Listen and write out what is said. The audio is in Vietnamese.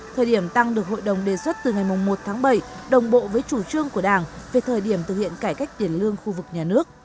thời điểm tăng được hội đồng đề xuất từ ngày một tháng bảy đồng bộ với chủ trương của đảng về thời điểm thực hiện cải cách tiền lương khu vực nhà nước